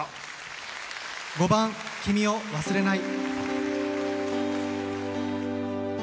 ５番「君を忘れない」。